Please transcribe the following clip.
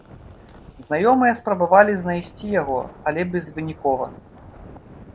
Знаёмыя спрабавалі знайсці яго, але безвынікова.